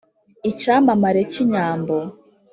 icyamamare cy’ inyambo,